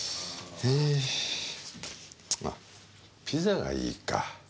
あピザがいいか。